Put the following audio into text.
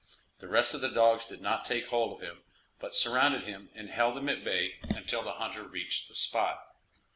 The rest of the dogs did not take hold of him, but surrounded him and held him at bay until the hunter reached the spot.